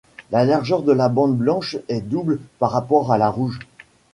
La largeur de la bande blanche est double par rapport à la rouge.